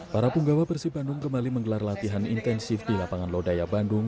para punggawa persib bandung kembali menggelar latihan intensif di lapangan lodaya bandung